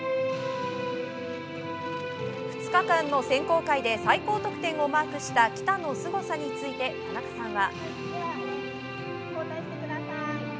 ２日間の選考会で最高得点をマークした喜田のすごさについて田中さんは。